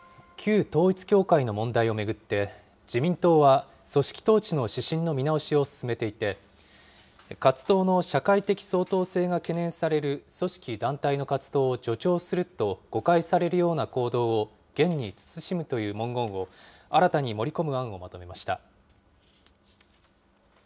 旧統一教会の問題を巡って、自民党は組織統治の指針の見直しを進めていて、活動の社会的相当性が懸念される組織・団体の活動を助長すると誤解されるような行動を厳に慎むという文言を新たに盛り込む案をまとめました。